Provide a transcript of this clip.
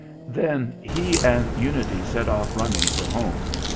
Then he and Unity set off running for home.